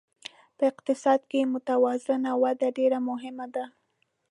په اقتصاد کې متوازنه وده ډېره مهمه ده.